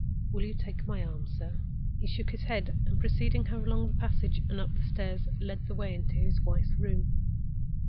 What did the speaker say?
"Will you take my arm, sir?" He shook his head, and, preceding her along the passage and up the stairs, led the way into his wife's room.